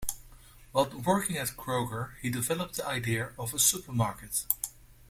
While working at Kroger, he developed the idea of a supermarket.